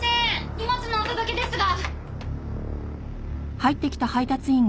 荷物のお届けですが。